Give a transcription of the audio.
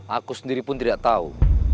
aku sendiri pun tidak tahu